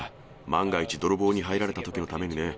万が一、泥棒に入られたときのためにね。